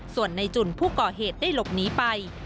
ส่วนในจุ่นผู้ก่อเหตุได้หลบหนีไป